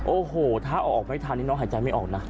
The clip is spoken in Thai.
โอ้โหถ้าออกไม่ทันนี่น้องหายใจไม่ออกนะ